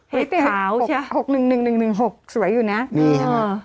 เห็ดขาวใช่ไหมหกหนึ่งหนึ่งหนึ่งหนึ่งหกสวยอยู่น่ะนี่ครับ